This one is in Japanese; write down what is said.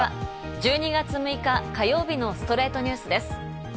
１２月６日、火曜日の『ストレイトニュース』です。